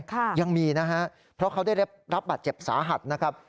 ยังมีนะฮะเพราะเขาได้รับบาดเจ็บสาหัสนะครับ